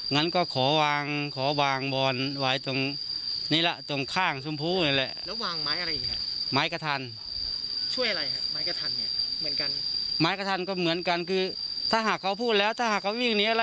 งั้นก็ขอวางขอวางบอนไว้ตรงนี้ละตรงข้างชมพูนั่นแหละ